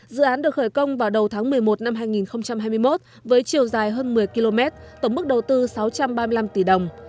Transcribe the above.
dự án được khởi công vào đầu tháng một mươi một năm hai nghìn hai mươi một với chiều dài hơn một mươi km tổng mức đầu tư sáu trăm ba mươi năm tỷ đồng